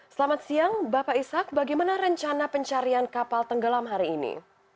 selamat siang bapak ishak bagaimana rencana pencarian kapal tenggelam hari ini